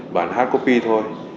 bản hard copy thôi